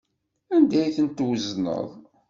Anda ay tent-twezneḍ?